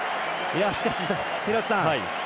しかし、廣瀬さん